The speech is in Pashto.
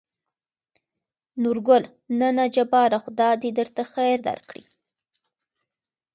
نورګل: نه نه جباره خداى د درته خېر درکړي.